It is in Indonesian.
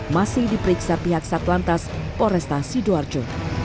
masih diperiksa pihak satlantas poresta sidoarjo